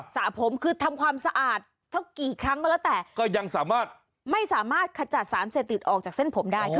สระผมคือทำความสะอาดสักกี่ครั้งก็แล้วแต่ก็ยังสามารถไม่สามารถขจัดสารเสพติดออกจากเส้นผมได้ค่ะ